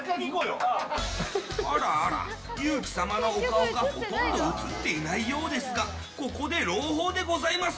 あらあら、有輝様のお顔がほとんど映っていないようですがここで朗報でございます。